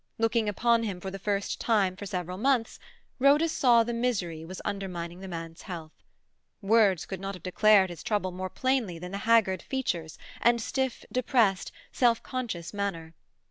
Looking upon him for the first time for several months, Rhoda saw that misery was undermining the man's health. Words could not have declared his trouble more plainly than the haggard features and stiff, depressed, self conscious manner.